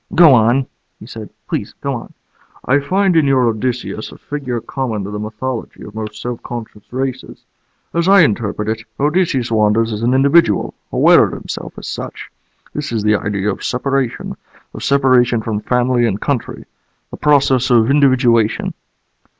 "Go on," he said. "Please go on." "I find in your Odysseus a figure common to the mythology of most self conscious races. As I interpret it, Odysseus wanders as an individual, aware of himself as such. This is the idea of separation, of separation from family and country. The process of individuation."